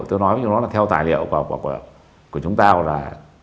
tôi nói với chúng nó là theo tài liệu của chúng tao là